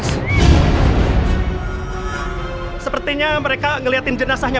sepertinya mereka ngeliatin jenazahnya